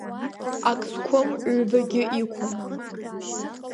Ак зқәым, ҩбагьы иқәым.